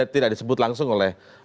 tidak disebut langsung oleh